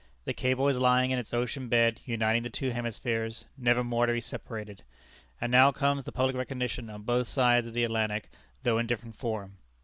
The cable is lying in its ocean bed uniting the two hemispheres, nevermore to be separated. And now comes the public recognition on both sides the Atlantic, though in different form.